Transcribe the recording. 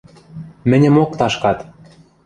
Мӹньӹмок ташкат...